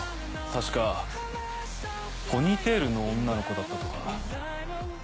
確かポニーテールの女の子だったとか。